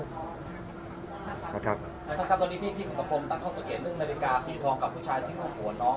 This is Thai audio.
ท่านครับตอนนี้ที่อุปคมตั้งข้อสังเกตเรื่องนาฬิกาสีทองกับผู้ชายที่รูปหัวน้อง